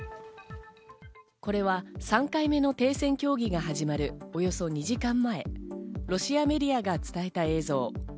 これは３回目の停戦協議が始まるおよそ２時間前、ロシアメディアが伝えた映像。